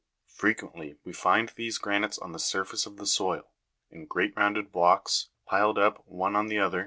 Frequently we find these granites on the surface of the soil, in great rounded blocks, piled up one on the other (Jig.